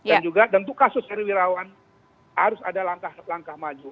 dan juga untuk kasus dari wirawan harus ada langkah langkah maju